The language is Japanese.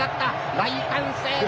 大歓声だ！